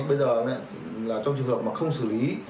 bây giờ trong trường hợp không xử lý